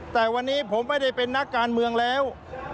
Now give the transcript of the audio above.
แต่วันนี้ผมไม่ได้เป็นนักการเมืองแล้ว